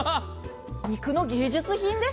肉の芸術品です。